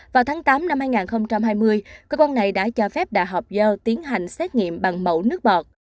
vào tháng tám năm hai nghìn hai mươi cơ quan này đã cho phép đại học giao tiến hành xét nghiệm bằng mẫu nước ngọt